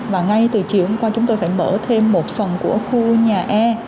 và ngay từ chiều hôm qua chúng tôi phải mở thêm một phần của khu nhà e